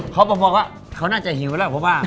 เค้าบอกว่าเค้าน่าจะหิวหรือเปล่าพี่บ้าน